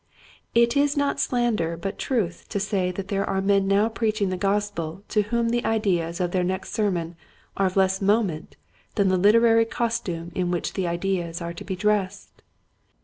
It is not slander but truth to say that there are men now preaching the Gospel to whom the ideas of their next sermon are of less moment than the literary costume in which the ideas are to be dressed.